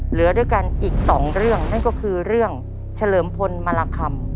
เหลือด้วยกันอีกสองเรื่องนั่นก็คือเรื่องเฉลิมพลมาราคำ